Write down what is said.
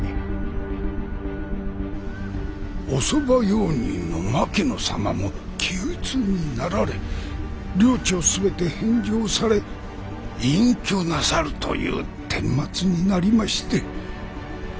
お側用人の牧野様も気鬱になられ領地を全て返上され隠居なさるというてんまつになりまして。